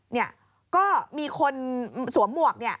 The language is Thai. เนี่ยก็มีคนสวมหมวกเนี่ย